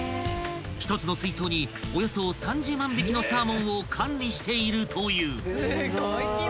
［１つの水槽におよそ３０万匹のサーモンを管理しているという］